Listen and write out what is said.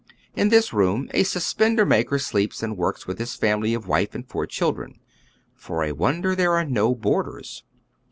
In this room a suspender maker sleeps and works with his family of wife and four children. For a wonder there are no boarders.